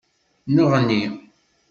Nneɣni.